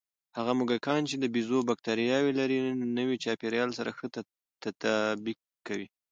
هغه موږکان چې د بیزو بکتریاوې لري، نوي چاپېریال سره ښه تطابق کوي.